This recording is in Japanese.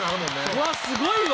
うわっすごいわ！